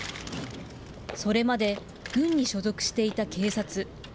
それまで軍に所属していた警察。